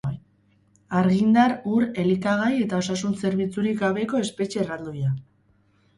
Argindar, ur, elikagai eta osasun zerbitzurik gabeko espetxe erraldoia.